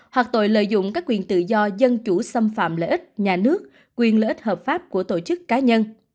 hoặc tội lợi dụng các quyền tự do dân chủ xâm phạm lợi ích nhà nước quyền lợi ích hợp pháp của tổ chức cá nhân